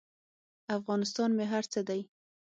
افغانستان مې هر څه دی.